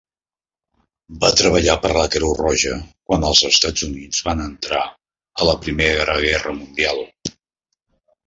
Va treballar per la Creu Roja quan els Estats Units van entrar a la Primera Guerra Mundial.